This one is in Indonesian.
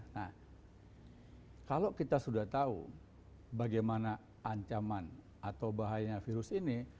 nah kalau kita sudah tahu bagaimana ancaman atau bahayanya virus ini